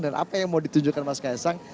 dan apa yang mau ditunjukkan mas kaisang